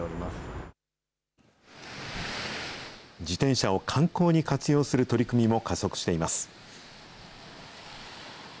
自転車を観光に活用する取り組みも加速しています。